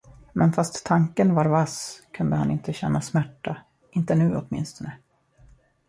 Men fast tanken var vass, kunde han inte känna smärta, inte nu åtminstone.